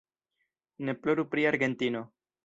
Ne ploru pri Argentino!